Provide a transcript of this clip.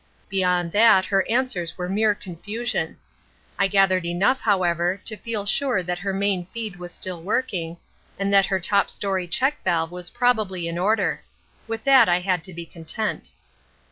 Beyond that her answers were mere confusion. I gathered enough, however, to feel sure that her main feed was still working, and that her top story check valve was probably in order. With that I had to be content.